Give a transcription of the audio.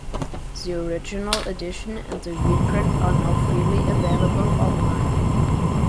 The original edition and the reprint are now freely available online.